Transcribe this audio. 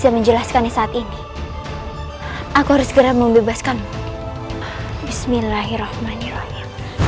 menjelaskannya saat ini aku harus segera membebaskanmu bismillahirrohmanirrohim